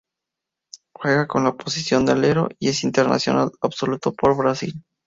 Juega en la posición de alero y es internacional absoluto por Brasil.